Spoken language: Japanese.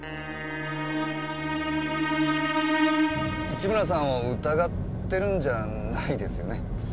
市村さんを疑ってるんじゃないですよね？